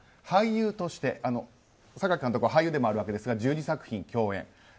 俳優として、榊監督は俳優でもあるわけですが１２作共演。